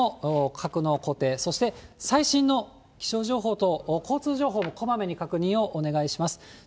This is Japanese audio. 飛ばされやすいものの、格納、固定、最新の気象情報と交通情報をこまめに確認をお願いします。